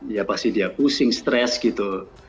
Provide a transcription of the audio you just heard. ya pasti dia pusing stres gitu